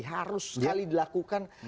harus sekali dilakukan